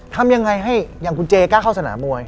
ทำยังไงให้อย่างคุณเจกล้าเข้าสนามมวย